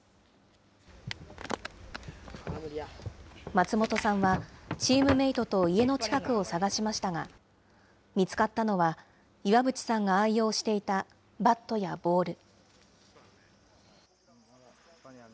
松本さんは、チームメートと家の近くを捜しましたが、見つかったのは、岩渕さんが愛用していたバットやボール。